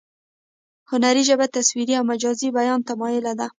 هنري ژبه تصویري او مجازي بیان ته مایله ده